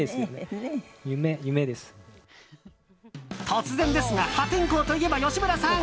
突然ですが破天荒といえば吉村さん。